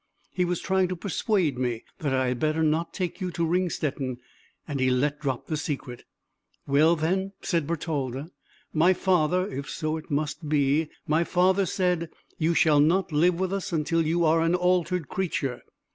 He was trying to persuade me that I had better not take you to Ringstetten, and he let drop the secret." "Well then," said Bertalda, "my father if so it must be my father said, 'You shall not live with us till you are an altered creature.